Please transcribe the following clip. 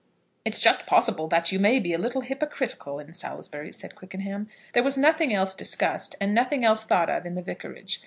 "It's just possible that you may be a little hypercritical in Salisbury," said Quickenham. There was nothing else discussed and nothing else thought of in the Vicarage.